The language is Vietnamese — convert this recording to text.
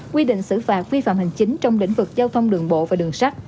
quy định xử phạt vi phạm hành chính trong lĩnh vực giao thông đường bộ và đường sắt